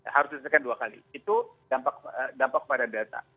harus disediakan dua kali itu dampak varian delta